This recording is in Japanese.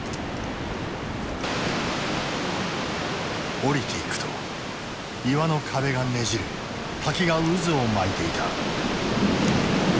降りていくと岩の壁がねじれ滝が渦を巻いていた。